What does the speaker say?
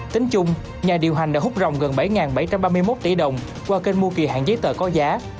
tính chung nhà điều hành đã hút rồng gần bảy bảy trăm ba mươi một tỷ đồng qua kênh mua kỳ hạn giấy tờ có giá